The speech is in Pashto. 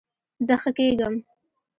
زه ښه کیږم